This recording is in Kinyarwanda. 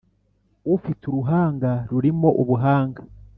ufite uruhanga rurimo ubuhanga